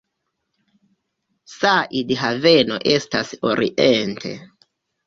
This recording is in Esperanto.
Said Haveno estas oriente.